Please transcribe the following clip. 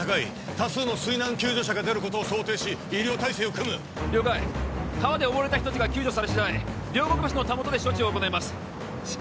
多数の水難救助者が出ることを想定し医療態勢を組む了解川で溺れた人達が救助されしだい両国橋のたもとで処置を行います至急